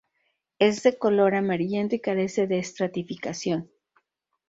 Es de color amarillento y carece de estratificación.